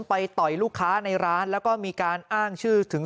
ไปต่อยลูกค้าในร้านแล้วก็มีการอ้างชื่อถึง